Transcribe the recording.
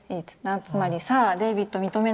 つまり「さあデイヴィッド認めなさい」。